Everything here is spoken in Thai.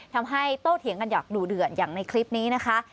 ทำให้โตเถียงกันอยากดูเดือดอย่างในคลิปนี้นะคะ